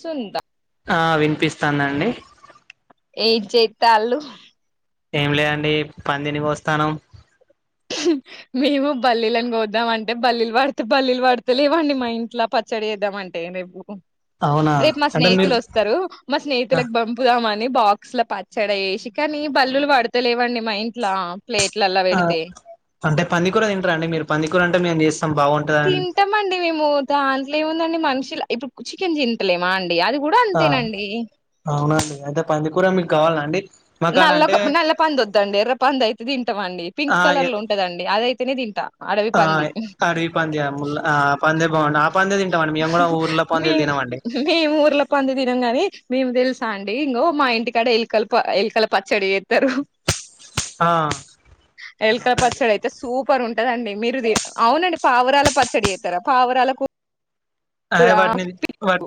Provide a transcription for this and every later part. సంతా ఆ వినిపిస్తానండి ఏజయితలు ఏం లేదండి పందిని పో వస్తాను మేము బల్లిలు అని పోద్దామంటే బల్లీలు పడితే బల్లీలు పడితే లేవండి మా ఇంట్లో పచ్చడి వేద్దామ అంటే రేపు అవునా రేపు మా అంటే మీరు స్నేహితులు వస్తారు మా ఆ స్నేహితులకు పంపుదామని కా బాక్స్ల పచ్చడి వేసి కానీ బల్లులు పడతలేవండి మా ఇంట్లో ప్లేట్లు అల్ల ఆ పెడితే. అంటే పందికర తంటాండి మీరు పందికరంటే మేం చేస్త తింటాంమండి మేము దా. ఇ ఏముందండి మనుషులు ఇప్పుడు చికెన్ జింతలేమ్ అండి ండి అది కూడా అంతేనండి అద నల్ల అంటే నల్ల పంద వద్దండి ఎర్ర పంద అయితే తింటాంండి పింక్ ఆ కలర్ ఎ లో ఉంటదండి అదయితేనే తింటా అడవి ఆ పంది అరివి పంత ముల్ పంత భవన్ మే మేము ఊర్లో పంది తినం గాని మేము తెలుసు చ అండి ఇంకో మా ఇంటికాడ ఎలుకలు ఎలుకల పచ్చడి వేస్తారు ఆ ఎలకాయ అవునండి పచ్చడి అయితే సూపర్ ఉంటా ఉంటదండి మీరు అవునండి పావరాల పచ్చడి వేతారా పావురాల కూర అదే వాటిని పి వాట్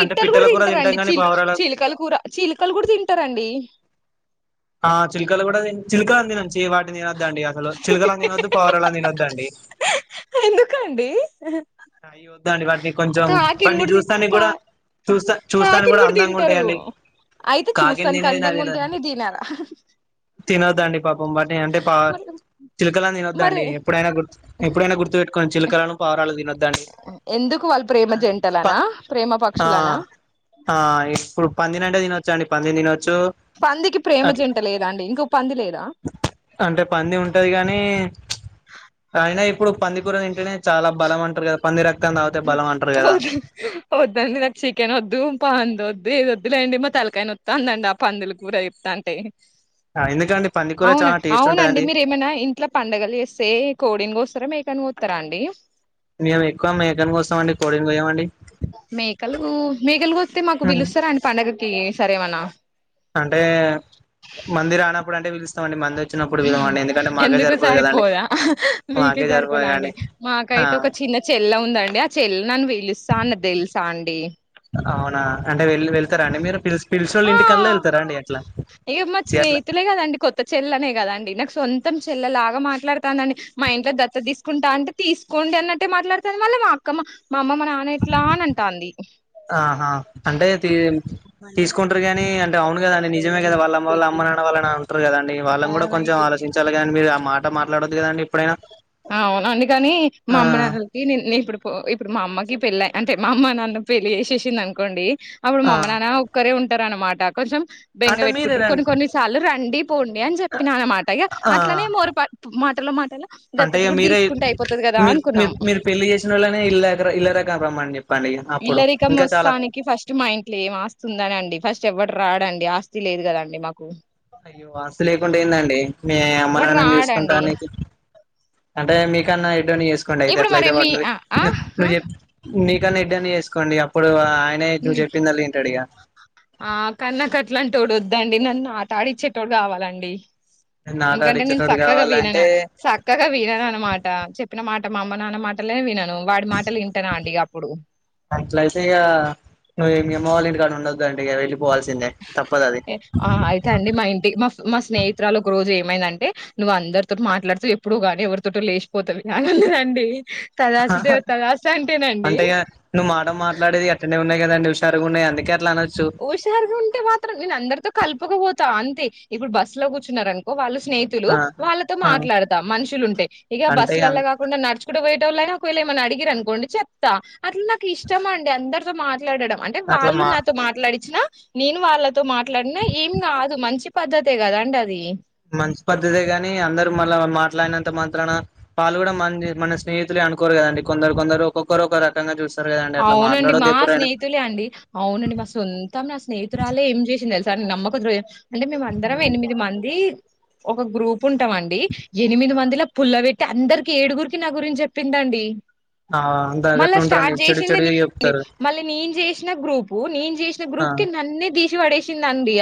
అంటే పిట్టల కూడా కూర తింటాం తింటారండి గాని చీలిక పావురాల చీలికలు కూర చీలికలు కూడా తింటారండి ఆ చిల్కలు కూడా చిల్క అందింత వాటి తినొద్దండి అసలు చిలుకల తినద్ పౌరాలలా తినద్దు తండి ఎందుకా అండి అయి వద్ద అండి వాటిని కొంచెం వాటిని కూడా తి చూస్తా కా కూడా చూస్తా చూస్తానికి కాకిని కూడా అందంగా తింటారు ఉంటాయంండి అయితే కాకి చూస్తానికి తినేది నా అందంగా తె ఉంటాయని తినరా తినొద్ద అండి పాప పంబటి అంటే పా మరి చిలకలను మరి తినొద్దదుండి ఎప్పుడైనా గుర్ ఎప్పుడైనా గుర్తుపెట్టుకొని చిలుకలను పావరాలు తినొద్దు ం ఎందుకు వాళ్ళు ప్రేమ జంటలనా ప్రేమ పక్షులనా ఇప్పుడు పందినంటే ద ప దిన పందికి ప్రేమ అట్ జంట లేదా అండి ఇంకో పంది లేదా అంటే పంది ఉంటది కానీ అయిన ఇప్పుడు పందికర ఏంటనే చాలా బలం అంట పంద ర ద్ండి నాకు చికెన్ వద్దు పా వద్ వద్దులేండి మా తలకాయన నోతందండి ఆ పందులు కూర ఎంతంటే ఎందుకండి పందికూర చాలా అవునండి టేస్ట్ అవునండి ఉంటదండి మీర ఏమైనా ఇంట్లో పండడుగలు వస్తే కోడిని వస్తారా మేకని స్తరాండి ని ఎక్కువ మ చికన్ కోసమండి కోడి కో వమండి మేకలు మేకలు వస్తే మాకు పిలుస్తారా అండి పండుగ కి సరేవన్న. అంటే మందిర రానప్పుడు అంటే పీలుస్తామండి మందిర్ ఎందుకు సరిపోదా మీకే మాకే సరిపోదు సరిపోదా అండి కదండి ఆ మాకైతే ఒక చిన్న చెల్ల ఉందండి. అడి ఆ చెల్ నన్నని వెలుస్తా అన్న తెలుసా అండి అవునా అంటే వెళ్లి వెళ్తారం అడి మీరు పి పిలిషినొల్ల ఇంటికిల్లా వెళ్తారండి ఎట్ల. ఇక మా స్నేహితులే కదండి కొత్త చెల్లనే కదండి నాకు సొంత మొత్తం చెల్లెలాగా మాట్లాడుతానండి మా ఇంట్లో దత్త తీసుకుంటా అంటే తీసుకోండి అన్నట్టే మాట్లాడుతాంది మళ్ళీ మా అక్కమ్మ ఆహా అంటే తీ తీసుకుంటారు గాని అంటే అవును కదా అండి న ఈమె కధ వల్ల అమ్మ వల్ల అమ్మనాన్నవాళ్ల నాన్న ఉంటారు కదా అండి. కూడా కొంచెం ఆలోచించాలిగాని మీరు ఆ మాట మాట్లాడ దండి అ అవునండి కాని మా ఆ అమ్మ నాన్నలకి నే నేను ఇప్పుడు ఇప్పుడు మా అమ్మకి పెళ్ళ అంటే మా అమ్మ నన్ను పెళ్ళి చేేసేసింది అనుకోండి అప్పుడు ఆ మామ్మ నాన్న ఒక్కరే ఉంట ంటార అనమాట కొంచెం బెంగ అంటే పెట్టుకుంట్రారు మీరేనండి కొన్ని కొన్నిసార్లు రండి పోండి అని చెప్పిన అనమాట ఇ ఆ అట్లనే మోరు మాటలో మాటల. అంటే ఇక మీరే మీరు అనుకున్నాం మీరు మీరు పెళ్ళలి చేసిన వాళ్ళనే ఇల్ళర ఇళ్ళ రకరం రమ్మ అని చెప్పండి ఇక ఇల్లరికం వస్తానికి ఫస్ట్ మా ఇంట్లో ఏం ఆస్తుందనిండి ఫస్ట్ చివరి రాడండి ఆస్తి లేదు కదండి మాకు అయ్యో వాస్తు లేకుంటే ఎందండి. మీ అమ్మ వాడు నాన్నని రాడండి చూసుకుంటానికి అంటే మీ కన్నా చేసుకోండి అయితే ఇప్పుడు ఎట్ల మరి అయితే మీ వాడు నువ్వు ఆ ఆ చె న ఓ ఇద్దనే అని చేసుకోండి అప్పుడు ఆ ఆ కాన్ల కు అంట్లదోడు వద్దు ఇదండి నన్ను ఆట ఆడిచ్చేటోడు కావాలండి నాకు ఎందుకంటే నేను ఆడిచ్చేటోడు చక్కగా వీనను కావాలంటే చక్కగా వీనన అనమాట చెప్పిన మాట మా అమ్మ నాన్న మాటలే విన వాడి మాటలు వింటన్నా అండి ఇ అప్పుడు ను అమ్మవళ ఇంటి కానీ ఉండదు అండి ఆ అయితే అండి మా ఇంటి మా మా స్నేహితురాలు ఒక రోజు ఏమి మైందంటే నువ్వు అందరితో మాట్లాడుతు ఎప్పుడు గా ఎవరితో లేచిపోతావి అదండి ఆహా అంటే నువ్వు మాట మాట్లాడేది అట నే ఉన్నాయి కదరు ఉన్నాయి అందుక అలా హుషారుగా ఉంటే మాత్రం నేను అందరితో కలుపకపోతు అంతే ఇప్పుడు బస్సు లో కూర్చున్నారు అనుకో వాళ్ళు స్నేహితులు ఆ వాళ్ళతో ఆ మాట్లాడతా మనుషులు ఉంటే ఇక అంటే బస్సులలా కాకుండా నడుచుకో పోయ ఒకవేళ ఏమన్నా అడిగిర అనుకోండి చెప్తా అట్లా నాకు ఇష్టం అండి అందరితో మా మాట్లాడడం అంటే అట్లా వాళ్ళు మా నాతో మాట పడిన నేను వాళ్ళ తో మాట్లాడిన ఏం కాదు మంచి పద్ధతే కదండి అది మంచి పద్ధతే కాగాని అందరుూ మళ్ళ మాట్లాడినంత మాత్రాన వాళ్ళు కూడా మ మన స్నేహితులే అనుకోరు కదండి కొందరు కొందరు ఒక్కొక్కరు ఒక రకంగా చూస్తారు కదండి అట్లా అవునండి మాట్లాడొద్దు మా ఎప్పుడైనా స్నేహితులే అండి అవునండి, మా సొంతం నా స్నేహితురాలే ఏం చేసింది తెలు సరే నమ్మకు ద అంటే మేమ అందరం ఎనిమిది మంది ఒక గ్రూప్ ఉంటాం అండి ఎనిమిది మందిల పుల్లవట్ అందరికి ఏడుగురికి నా గురించి చెప్పిందండి ఆ అంత అదీ మళ్ళా ఎట్లా ఉంటాదడి స్టార్ట్ ఏచ్చిదీ చేసింది మళ్ళీ నేను చేసిన గ్రూపు నేను చేసిన ఆ గ్రూప్ కి నన్నే తీసి పడేసింది ఉంది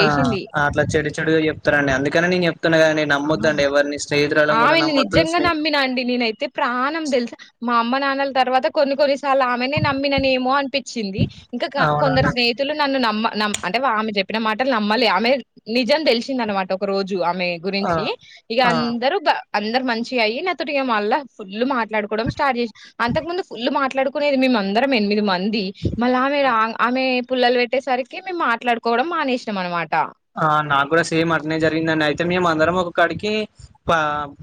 ఆ అట్లా చెడి చెడుగా చెప్తారండి అందుకని నేను చెప్తున్నా కదండి నమ్మొద్దండి ఎవరిని స్నేహితురాలను కూడా ఆమెను నమ్మొద్దు నిజంగా స్నే నమ్మినా అండి నేనైతే ప్రాణం తెలుసా మా అమ్మ నాన్నలు తర్వాత కొన్ని కొన్ని చాలా ఆమెనే నమ్మిననే ఏమో అనిపించింది, ఇంకా కొందరు అవునండి స్నేహితులు నన్ను నమ్మ నమ్ అంటే ఆమె చెప్పిన మాటలు నమ్మాల ఆమె నిజం తెలిసింద అనమాట ఒక రోజు ఆమె ఆ ఇ ఆ అందరుూ అందరు మంచిగా అయి నా తోటిగా మళ్ళా ఫుల్ మాట్లాడుకోవడం స్టార్ట్ చేసి అంతకు ముందు ఫుల్లు మాట్లాడుకునేది మేమందరం ఎనిమిది మంది మళ్ళమె రాంగ్ అమె పుల్లలు పెట్టేసరికి మేము మాట్లాడుకోవడం మానే ఇష్టం అనమాట ఆ నా కూడా సేమ్ అంటనే జరిగిందండి అయితే తే మేము అందరం ఒకక్కడికి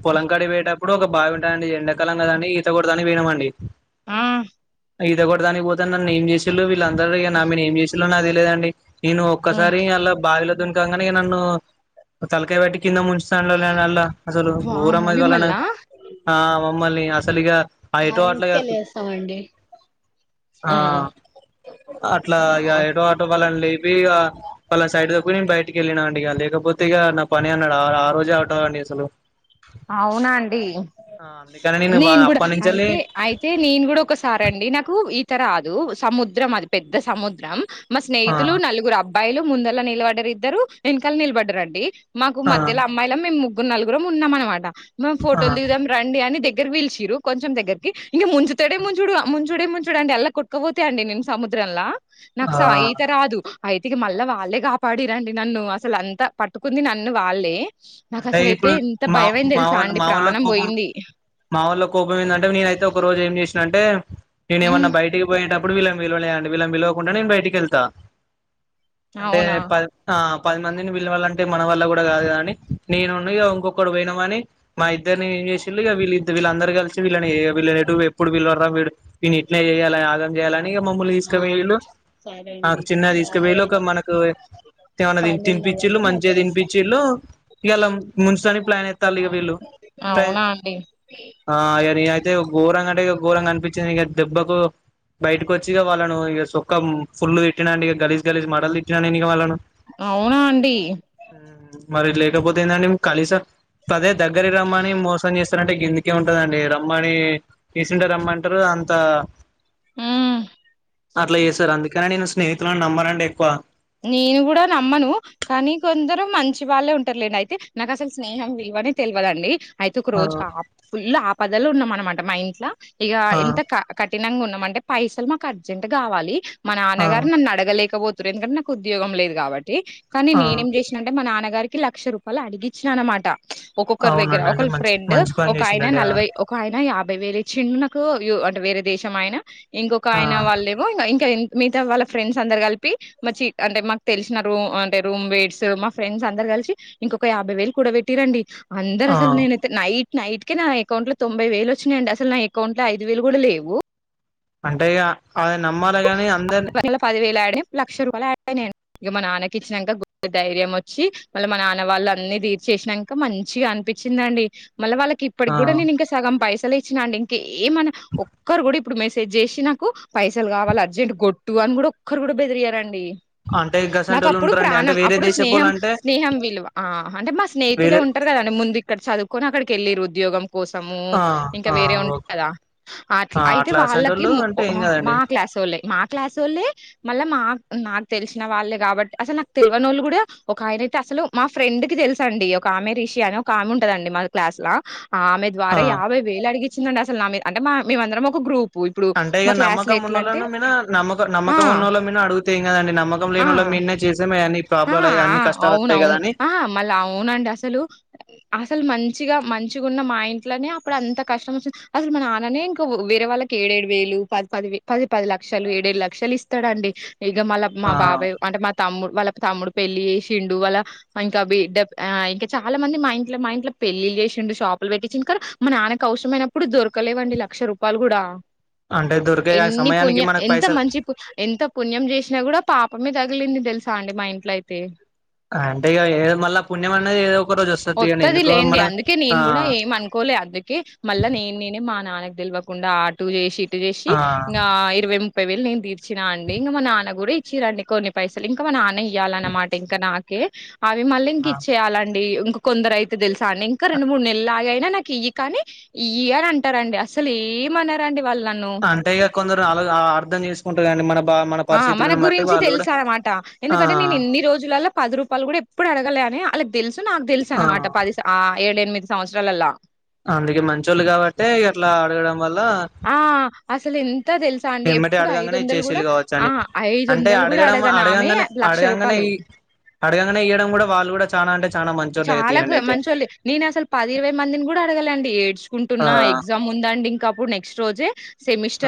పొలంకాడి వేట ఇప్పుడు ఒక బావింటాడి ఎండాకాలం కదండడి ఈతకూడదని వినమండి ఆ ఇదగ కూడాడాానికి పోతే నన్ను ఏం చే వీళ్ళు వీళ్ళందరరు నా మీద ఏం చేస్ నాది లేదండి నేను హ్మ్. ఒక్కసారి అలా బావిలో అంగ నన్ను తలకై బేటి కింద ము అ అసలు వామ్మో ఘరమాపోల మిమ్మల్నా మమ్మల్ని అసలుగా ఆ ఎటో అట్లా ఆ హ్మ్. అట్లా హ్మ్. ఎటో ఆటో వాళ్ళని లేపి వాళ్ళ సైడ్ బయటికి వెళ్ళిన అండి ఇక లేకపోతే ఇక నా పని అన్నాడు ఆ రోజే అవటాంండి అసలు అవునా అండి ఆ అందుకని వా నేను కూడా అప్పటి నుంచెల్లి అయితే అయితే నేను కూడా ఒకసారి అండి నాకు రాదు సముద్రం అది పెద్ద సముద్రం మా ఆ స్నేహితులు నలుగురు అబ్బ బయలు ముందలా నిలబడ్డరు ఇద్దరు వెనకల్ నిలబడ్డారుండి మాకు ఆ మధ్యలో అమ్మాయిలం మేము ము నలుగురుం ఉన్నా మనం మాట ము ఆ ఫోటోలు డిగుదాం రండి అని దెఘ్ దగ్గర పిల్చిరు కొంచం దగ్గరికి ఇంక ముంచుదడే ముంచుడు ముంచుడే ముంచుడు అండి ఎలా కుట్టుపోతే అండి నేను సముద్రంలా నాకు ఆ సా ఈతర అదు అయితే ఇ మళ్ళా వాళ్ళే కాపాడరండి నన్ను అసలు అంతా పట్టుకుంది నన్ను వాళ్ళే అంటే నాకాసలు అయితే ఇప్పుడు ఇంత మా మాళ్ళ మా వాళ్ళ కోపం మా వాళ్ళ కోపం ఏంటంటే నేనయితే ఒక రోజు ఏం చేసినంటే నేను ఉమ్ ఏమన్నా బయటికి పోయేటప్పుడు వీళ్ళని విలువలేండి వీళ్ళం విలువకుండా నేను బయటికి వెళ్తా అంటే అవునా పడి ప పది మందిని వీళ్ళ వాళ్ళంటే మన వల్ల కూడా కాదేని నేనున్నగా ఇంకొకడు పోయినామని మా ఇద్దరిని ఏం చేసి ఇక వీళ్ళిద్ద వీళ్ళ అందరు కలిసి వీళ్ళని విల్లనేటు ఇప్పుడు వీళ్ళ వర వీ వీ ఇట్నే చేయాల యాగంయాలా కానీగా మమ్మల్లు తీసుకవేళ్ళు నాకు చిన్న తీసుకవేళ్ళ ఒక మనకుమన్నా తినిపిళ్ళు మంచిగా తినిపచ్చి ఇళ్ళు ఇలా ముంచటానికి ప్లాన్ ఎత్తల్లు ఇక వీళ్ళు అవునా అండి ఆ ఇగ నేను అయితే ఘోరంగా అంటే ఇ ఘోరంగా కనిపించింది ఇక దెబ్బకు బయటకు వచ్చిగా వాళ్ళను ఇక సొక్క ఫుల్లు తిట్టినండి ఇక గలీజ్ గలీజ్ మటలు తట్టిన ఇగ వాళ్ళను అవునా అండి మరి ఇట్ల ఇపోతుందండి కలిస అదే దగ్గర రమ్మని మోసం చేస్తారంటే గిందుకే ఉంటదండి రమ్మనిి తీసింటే రమ్మ అంటారు అంత ఆమ్ అట్లా చేసారు అందుకని నేను స్నేహితులను నమ్మను అండి ఎక్కువ నేను కూడా నమ్మను కానీ కొందరు మంచి వాళ్ళే ఉంటారులేండి అయితే నాకు అసలు స్నేహం విలువనే తెలియదండి అయితే ఒక రోజు ఆ ఫుల్ ఆప కదలు ఉన్నాం అనమాట మా ఇంట్లో ఇ ఆ ఇంత క క కటిినంగా ఉన్నాం అంటే పైసలు మాకు అర్జెంట్ కావాలి మా ఆ నాన్నగారు నన్ను అడగలేకపోతే తురం క ఉద్యోగం లేదు కాబట్టి కానీ ఆ నేనేం చేసినంటే మా నాన్నగ గారికి లక్ష రూపాయలు అడిగిచ్చిన అనమాట ఒక్కొక్కరి దగ్గర అవునండి అంటే ఒకరు మంచి ఫ్రెండ్ మంచి పని ఒక ఆయన చేసిలండి ఆ నలభై ఒక ఆయన యాభై వేలు చిన్న నాకు అంటే వేరే దేశమైన ఇంకొక ఆ ఆయన వాళ్ళేమో ఇంకా ఇంకా మిగతా వాళ్ళ ఫ్రెండ్స్ అందరు కలిపి మచ్చి అంటే మాకు తెలిసిన రూమ్ అంటే రూమ్ వేట్స్ మా ఫ్రెండ్స్ అందరు కలిసి ఇంకొక యాభై వేలు కూడా పెట్టిరండి అందరు ఆ అసలు నేనైతే నైట్ నైట్ కే నా అకౌంట్ లో తొంభై వేలు వచ్చినాయియండి అసలు నా అకౌంట్ లో ఐదు వేలు కూడా లేవు అంటే ఇక అద నమ్మాలి కానీ అందరిని పదివేలు యాడ్ అయి లక్ష రూపాయలు యాడ్ అయినాడి ఇక మా నాన్నకి ఇచ్చినాక ధైర్యం వచ్చి మళ్ళీ మా నాన్న వాళ్ళు అన్ని తీర్ చేసినాక మంచిగా అనిపించిందండి మళ్ళీ వాళ్ళకి ఇప్పుకి ఆ కూడా నేను ఇంక సగంైస వచ్చినండి ఇంకి ఏ మన ఒక్కరు గుడి ఇప్పుడు మెసేజ్ చేసి నాకు పైస పైసలు కావాలి అర్జెంట్ కొట్టు అని కూడా ఒక్కరు కూడా బెదిరీయరండి అంటే నాకు గసంటోళ్ళు అప్పుడు ఉంటారండి అంటే ప్రాణం వేరే అప్పుడు దేశపోళ్ళు స్నేహం అంటే స్నేహం విలువ ఆ అంటే మా స్నేహితులే వేరే ఉంటారు కదండి ముందు ఇక్కడ చదువుకని అక్కడికి వెళ్ళిరు ఉద్యోగం కోసము ఆ ఇంకా ఆ వేరే ఉంటది ఓకే కదా అట్ల ఆ అయితే అట్లా వాళ్ళకి అసంటోళ్ళు అంటే ఏం కాదండి మా ళ్ళే మా క్లాసోళ్ళే మళ్ళ మా నాకు తెలిసిన వాళ్ళే కాబట్టి అసలు నాకు తెల్వనోళ్ళు కూడా ఒక ఆయన అయితే అసలు మా ఫ్రెండ్ కి తెలుసండి ఒక ఆమె రిషి అని ఒక ఆమె ఉంటదండి మా క్లాస్ లో ఆ ఆమె ద్వార ఆ యాభై వేలు అడిగి చ్చిందండి అసలు మా మీ అంటే మేమందరం ఒక గ్రూప్ ప్పు ఇప్పుడు మీ నమ్మకం ఎట్లా అంటే ఉన్నోళ్ళ మీనా ఆ నమ్మకం ఉన్నళ మీన అడుగుతే ఏం కాదండీ నమ్మకం లేని వాళ్ళ ఆ మీనే చేసేమ అన్ని ఆ ప్రాబ్లం అ ఆ అన్ని కష్టాలు వస్తాయి కదా అవునవును. అని ఆహా! మళ్ళా అవునండి అసలు, అసలు మంచిగా మంచిగా ఉన్న మా ఇంట్లోనే అప్పుడు అంత కష్టం వస్తుంది అసలు మా నాన్ననే ఇంకా వేరే వాళ్ళకి ఏడ ఏడు వేలు పది పదివేలు పది పది లక్షలు ఏడేడు లక్షలు ఇస్తాడండి ఇక మళ్ళ మా ఆ బాబాయ్ అంటే మా తమ్ముడు వాళ్ళ తమ్ముడు పెళ్ళి చేసిండు వాళ్ళ ఇంకా బిడ్డ ఇంకా చాలా మంది మా ఇంట్లో మా ఇంట్లో పెళ్ళిళ్ళు చేసిండు షాపులు పెట్టిచ్చుండు కానీ మా నాన్నకు అవసరమైనప్పుడు దొరకలేవండి లక్ష రూపాయలు కూడా అం ఎన్ని పుణ్యం ఎంత మంచి పు ఎంత పుణ్యం చేసినా కూడా పాపమే తగిలింది తెలుసా అండి మా ఇంట్లో అయితే అంటే ఇక ఏ మళ్ళా పుణ్యం అనేది ఏదో ఒక రోజు వస్తుది కానీ వత్తది ఎందుకో లేండి మన అందుకే ఆ నేను కూడా ఏం అనుకోలే తెల్వకుండ ఆటూ చేసి ఇటు ఆ నా ఇరవై ము ముప్పై వేలు నేను తీర్చినా అండి ఇంకా మా నాన్న కూడా ఇచ్చిరండి కొన్ని పైసలు ఇంకా మా నాన్న ఇయ్యాలన్నమాట ఇంకా నాకే అవి మళ్ళీ ఇంక ఆ ఇచ్చేయాలండి. కొందరు అయితే తెలుసా అండి ఇంకా రెండు మూడు నెలలు ఆగి అయినా నాకు ఇయి కానీ ఇయిరా అని అంటారండి అసలు ఏమనరండి వాళ్ళను అంటే ఇగ కొందరు అలగా అర్థం చేసుంటారండి మనం ఆ మన గురించి తెలుసు అన్నమాట ఆ ఎందుకంటే నేను ఎన్ని రోజులలో పది రూపాయలు కూడా ఎప్పుడు అడగలే అని వాళ్ళకి తెలుసు నాకు తెలుసు ఆ అన్నమాట పది సా ఆ ఏడెనిమిది సంవత్సరాలల అందుకే మంచోళ్ళు కాబట్టి ఇట్లా అడగడం మళ్ళా ఆ అసలు ఎం ఎమ్మటే అడగంగానే ఇచ్చేసీలు కావచ్చు ఆ అండి ఐదు అంటే వందలు కూడా అడగడం అడగనామె అడగంగానే లక్ష అడగంగానే రూపాయలు అడగంగానే ఇయ్వడం కూడా వాళ్ళు కూడా ఇత్తానండి చాలా గా మంచొల్లు నేను అసలు పది ఇరవై మందిని కూడా అడగాలండి ఆ ఏడ్చుకుంటున్నా ఎగ్జామ్ ఉందండి ఇంకఅప్పుడు నెక్స్ట్ రోజే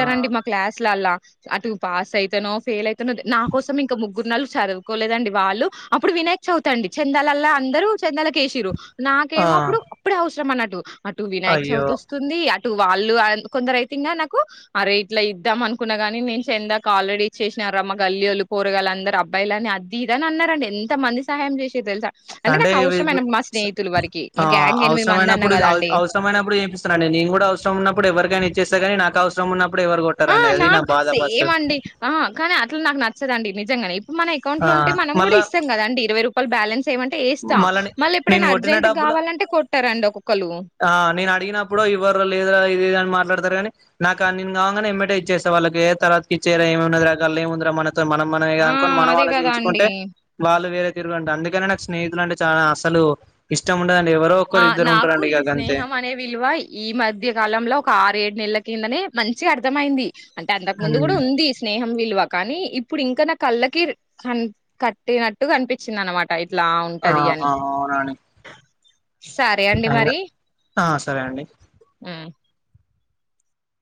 ఆ అండి మా క్లాస్ లో అలా అటు పాస్ అయితనో ఫెయిల్ అవుతానో, నా కోసం ఇంకా ముగ్గురు నెలు చదువుకోలేదండి, వాళ్ళు అప్పుడు వినాయక్ చదువుతండి చెందాలలా అందరూ చెందెల కేశీరు ఆ నాకేమో అప్పుడు అప్పుడే అవసరం అన్న అటు వినాయక్ అయ్యో చవితి వస్తుంది వాళ్ళు కొంద రైతంగా నాకు, అ రేట్లా ఇద్దాం అనుకున్నాగాని నేను చెందాక ఆల్రెడీ ఇచ్చేసినారు అమ్మ గల్లియోలు కూరగాయలు అందరు అబ్బాయిలు అని అది ఇద అని అన్నారండి, ఎంత మంది సహాయం చేసి తెలుసా అంటే నా గ్యాంగ్ ఎనిమిది మంది అన్నా అవసరమైనప్పుడు కదండి అవసరమైనప్పుడు ఏపిస్తనండి నేను కూడా అవసరం ఉన్నప్పుడు ఎవరికైనా చేస్తే గా నాకు అవసరం ఉ ఆ నాకు సేమ అండి ఆ కానీ అట్లు నాకు నచ్చదండి జంగా మన అౌం ఆ లో ఉంటే మన కూడా ఇ కదండి ఇరవ రూ బాలన్స్ మళ్ళని నేను కొట్టిన డబ్బులు కావాలంటే కొట్టారండి ఒక్కొక్కలు ఆ నేను అడిగినప్పుడు ఇవ్వరు లేదు ఇదిని మా మాట్లాడతారు కానీ నాకు ఆ కాగానే ఎంటైజ్ చేస్తా వాళ్ళ ఏ తర్వాకి ఇచ్చ ఏగా ఏందా మన మనం మనంద ఆ అనుకోని మనం అదే వాళ్ళు కదా అండి చేయికుంటే వాళ్ళు వేరేతే తీ అందుక స్నేహితులు అంటే చాలా అసలు ఇష్టం ఉ ఆ నాకు ఈ స్నేహం అనే విలువ ఈ మధ్య కాలంలో ఒక ఆర ఏడు నెలల కిందని మంచి అర్థమయింది అంటే అంతకు ముందు కూడా ఉమ్. ఉంది స్నేహం విలువ కానీ ఇప్పుడు ఇంకా నా కళ్ళకి క కట్టినట్టు కనిపించింది అనమాట టైట్లా ఆ ఉంటది అని అవునా అండి సరే అండి అయినా మరి ఆ సరే అండి